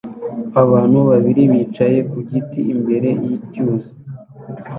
Abantu babiri bicaye ku giti imbere yicyuzi